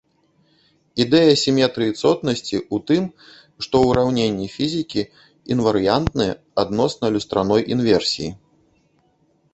Ідэя сіметрыі цотнасці ў тым, што ўраўненні фізікі інварыянтныя адносна люстраной інверсіі.